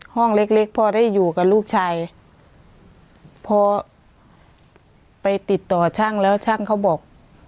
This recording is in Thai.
ห้องเล็กเล็กพอได้อยู่กับลูกชายพอไปติดต่อช่างแล้วช่างเขาบอก